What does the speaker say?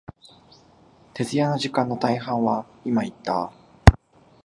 徹夜の時間の大半は、今言った、